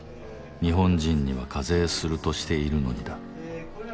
日本人には課税するとしているのにだ。